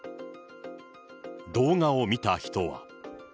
動画を見た人は。